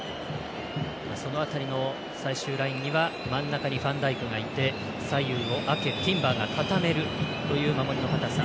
その辺りの最終ラインには真ん中にファンダイクがいて左右をアケ、ティンバーが固めるという守りの堅さ。